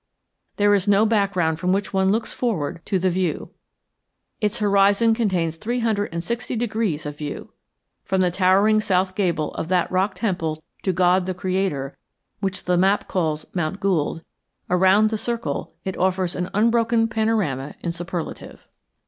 There is no background from which one looks forward to "the view." Its horizon contains three hundred and sixty degrees of view. From the towering south gable of that rock temple to God the Creator, which the map calls Mount Gould, around the circle, it offers an unbroken panorama in superlative.